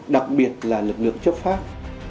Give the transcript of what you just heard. đặc biệt là lực lượng chấp pháp